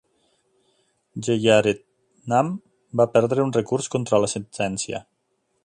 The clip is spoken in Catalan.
Jeyaretnam va perdre un recurs contra la sentència.